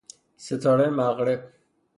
ستاره مغرب